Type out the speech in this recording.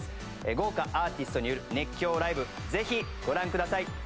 豪華アーティストによる熱狂ライブぜひご覧ください！